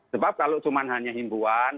sebab kalau cuma hanya himbuan